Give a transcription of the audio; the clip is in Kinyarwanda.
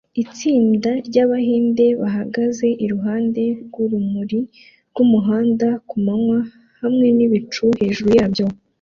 Itsinda ryabahinde bahagaze iruhande rwurumuri rwumuhanda kumanywa hamwe nibicu hejuru yabyo